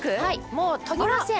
もうとぎません。